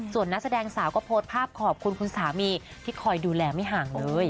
ส่วนนักแสดงสาวก็โพสต์ภาพขอบคุณคุณสามีที่คอยดูแลไม่ห่างเลย